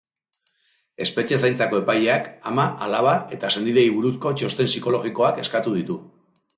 Espetxe zaintzako epaileak ama, alaba eta senideei buruzko txosten psikologikoak eskatu ditu.